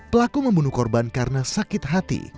pelaku membunuh korban karena sakit hati